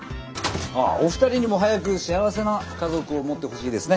ああお二人にも早く幸せな家族を持ってほしいですね。